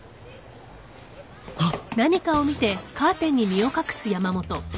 あっ。